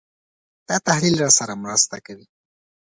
دا تحلیل راسره مرسته کوي.